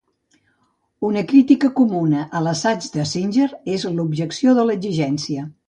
Una crítica comuna a l'assaig de Singer és l'objecció de l'exigència.